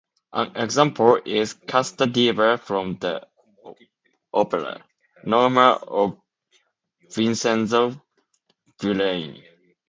An example is "Casta diva" from the opera "Norma" of Vincenzo Bellini.